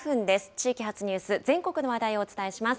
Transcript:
地域発ニュース、全国の話題をお伝えします。